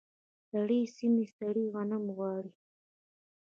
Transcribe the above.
سړې سیمې سړې غنم غواړي.